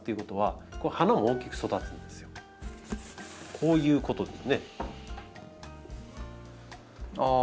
こういう感じです。